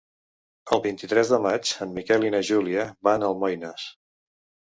El vint-i-tres de maig en Miquel i na Júlia van a Almoines.